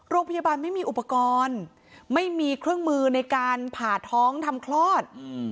โรงพยาบาลไม่มีอุปกรณ์ไม่มีเครื่องมือในการผ่าท้องทำคลอด